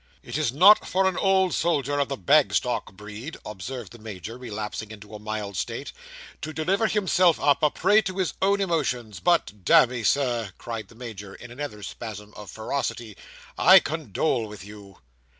"It is not for an old soldier of the Bagstock breed," observed the Major, relapsing into a mild state, "to deliver himself up, a prey to his own emotions; but—damme, Sir," cried the Major, in another spasm of ferocity, "I condole with you!"